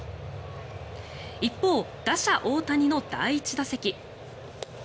一方、打者・大谷の第１打席。